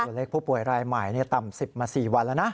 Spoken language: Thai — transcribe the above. เลขผู้ป่วยรายใหม่ต่ำ๑๐มา๔วันแล้วนะ